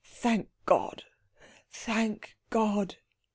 Thank God! thank God!"